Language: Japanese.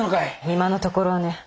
今のところはね。